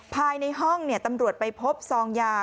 ภายในห้องตำรวจไปพบซองยา